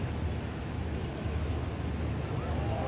asal sekolah sma negeri dua puluh tiga